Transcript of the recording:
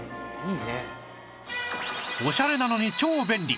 オシャレなのに超便利！